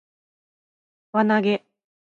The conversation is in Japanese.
輪投げ